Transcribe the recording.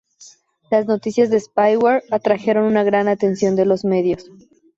Las noticias del spyware atrajeron una gran atención de los medios.